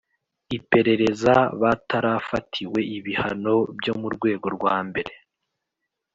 iperereza batarafatiwe ibihano byo mu rwego rwambere